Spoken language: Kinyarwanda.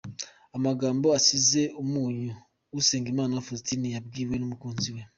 Amagambo asize umunyu Usengimana Faustin yabwiwe n'umukunzi we.